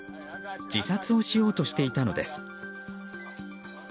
自殺をしようとしていたのです。